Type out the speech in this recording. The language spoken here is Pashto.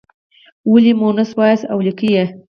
ولې یې مونث وایاست او لیکئ یې.